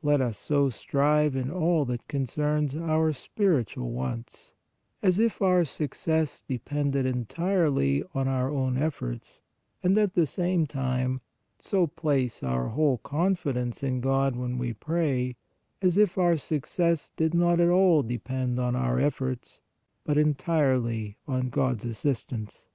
Let us so strive in all that concerns our spiritual wants, as if our success depended entirely on our own ef forts, and, at the same time, so place our whole confidence in God when we pray, as if our success did not at all depend on our efforts, but entirely on God s assistance.